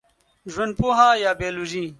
ژوندپوهه یا بېولوژي